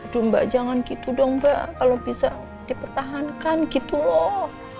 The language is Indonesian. duh mbak jangan gitu dong mbak kalo bisa dipertahankan gitu loh